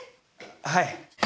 はい。